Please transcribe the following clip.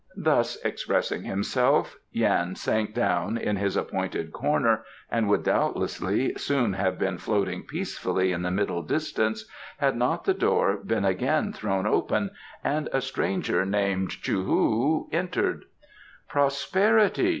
Thus expressing himself, Yan sank down in his appointed corner and would doubtlessly soon have been floating peacefully in the Middle Distance had not the door been again thrown open and a stranger named Chou hu entered. "Prosperity!"